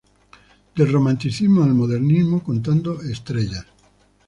Del Romanticismo al Modernismo, "Contando estrellas".